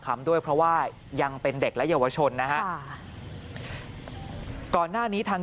ด้วยเพราะว่ายังเป็นเด็กและเยาวชนนะฮะก่อนหน้านี้ทาง